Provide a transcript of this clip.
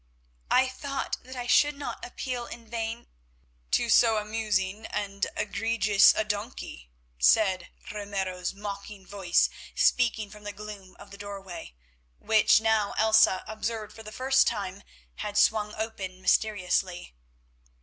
"I thought that I should not appeal in vain——" "To so amusing and egregious a donkey," said Ramiro's mocking voice speaking from the gloom of the doorway, which now Elsa observed for the first time had swung open mysteriously.